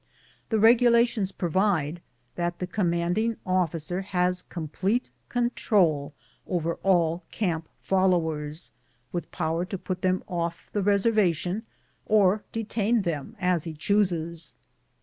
The regulations provide that the commanding officer has complete control over all camp followers^ with power to put them off the reservation or detain them as he chooses.